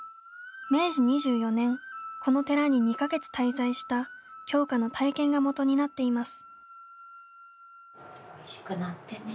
明治２４年この寺に２か月滞在した鏡花の体験がもとになってます。